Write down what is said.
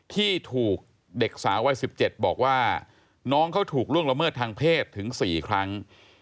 ที่ถูกเด็กสาววัย๑๗บอกว่าน้องเขาถูกล่วงละเมิดทางเพศถึง๔ครั้ง